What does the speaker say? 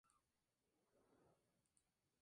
Pero será un gran camino por recorrer.